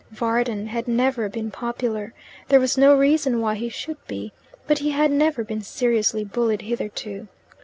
Varden had never been popular there was no reason why he should be but he had never been seriously bullied hitherto.